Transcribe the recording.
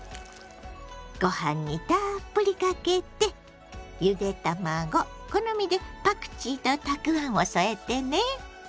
ご飯にたっぷりかけてゆで卵好みでパクチーとたくあんを添えてね。